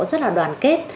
rất là đoàn kết